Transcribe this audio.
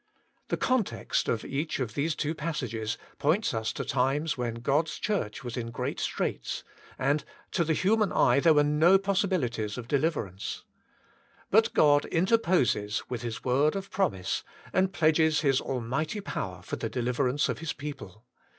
The context of each of these two passages points us to times when God's Church was in great straits, and to human eye there were no possibilities of deliverance. But God interposes with His word of promise, and pledges His Almighty Power for the deliverance of His people.